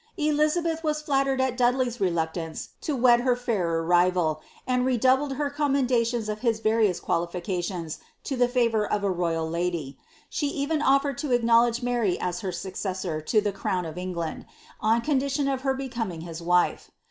Elizabeth was flattered at Dudley's reluctance to wed her fairer rival, and redoubled her commendations of his various qualifications to the favour of a royal lady ; she even offered to acknowledge Mary as her successor to the crown of England, on condition of her becoming his wjfe.